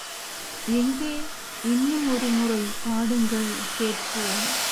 எங்கே இன்னுமொருமுறை பாடுங்கள் கேட்போம்!